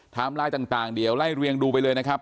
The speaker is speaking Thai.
ไลน์ต่างเดี๋ยวไล่เรียงดูไปเลยนะครับ